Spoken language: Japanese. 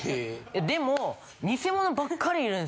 でも。